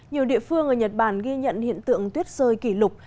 nhiều địa phương ở nhật bản ghi nhận hiện tượng tuyết rơi kỷ lục